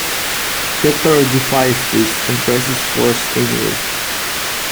Hector defies this and presses forth anyway.